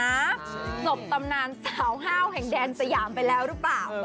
กระนบตำนานเสาห้าวของแดนเซยามไปแล้วรึเปล่า